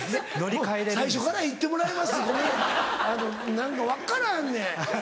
何か分からんねん。